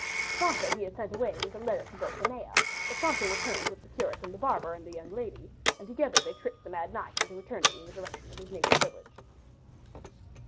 Sancho, he had sent away with a letter to Dulcinea, but Sancho returned with the curate and the barber and the young lady and together they tricked the mad knight into returning in the direction of his native village.